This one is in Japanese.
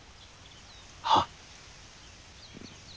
はっ。